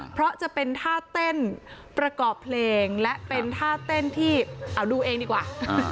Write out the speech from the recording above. เพราะจะเป็นท่าเต้นประกอบเพลงและเป็นท่าเต้นที่เอาดูเองดีกว่า